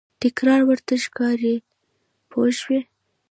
تکرار ورته ښکاري پوه شوې!.